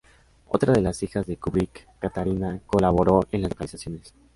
Otra de las hijas de Kubrick, Katharina, colaboró en las localizaciones.